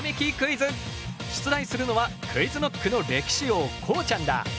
出題するのはＱｕｉｚＫｎｏｃｋの歴史王こうちゃんだ。